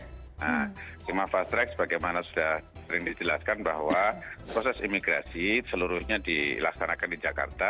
nah si mafast track bagaimana sudah sering dijelaskan bahwa proses imigrasi seluruhnya dilaksanakan di jakarta